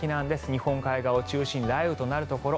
日本海側を中心に雷雨となるところ